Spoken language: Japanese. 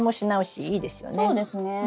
そうですね。